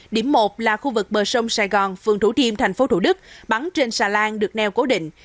điểm một là khu vực bờ sông sài gòn phường thủ thiêm tp thủ đức bắn trên xà lan được neo cố định